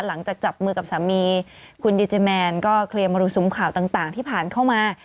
หลังจากจับมือกับสามีคุณดีเจแมนก็เคลียร์มรสุมข่าวต่างที่ผ่านเข้ามา